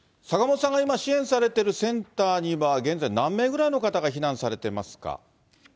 坂本さんが今支援されているセンターには現在、何名ぐらいの方が避難されてますか。